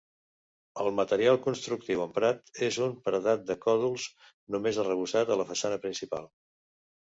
El material constructiu emprat és un paredat de còdols, només arrebossat a la façana principal.